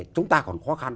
chúng ta còn khó khăn